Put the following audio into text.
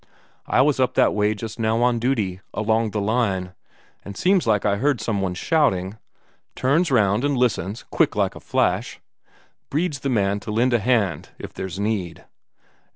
"I was up that way just now on duty, along the line, and seems like I heard some one shouting. Turns round and listens quick as a flash Brede's the man to lend a hand if there's need.